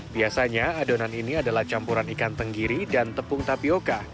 biasanya adonan ini adalah campuran ikan tenggiri dan tepung tapioca